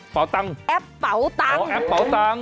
เป๋าตังค์อ๋อแอปเป๋าตังค์แอปเป๋าตังค์